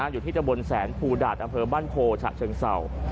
อยู่ที่ตะบนแสนภูดาตอำเภอบ้านโพฉะเชิงเศร้า